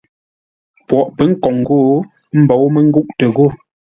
Poghʼ pə̌ nkǒŋ ghô, ə́ mbǒu mə́ ngûʼtə ghô.